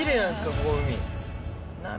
ここの海。